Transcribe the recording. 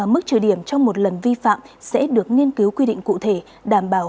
mức trừ điểm trong một lần vi phạm sẽ được nghiên cứu quy định cụ thể đảm bảo